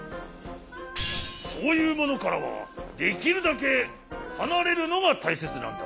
そういうものからはできるだけはなれるのがたいせつなんだ。